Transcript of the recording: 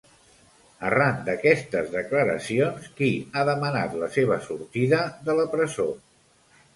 Arran d'aquestes declaracions, qui ha demanat la seva sortida de la presó?